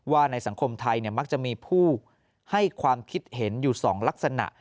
ในสังคมไทยมักจะมีผู้ให้ความคิดเห็นอยู่๒ลักษณะ